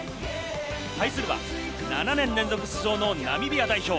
対するは７年連続出場のナミビア代表。